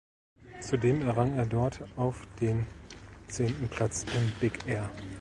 Zudem errang er dort auf den zehnten Platz im Big Air.